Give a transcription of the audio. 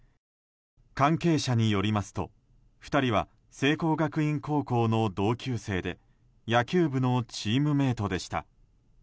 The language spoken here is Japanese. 関係者によりますと２人は聖光学院高校の同級生で野球部のチームメートでした。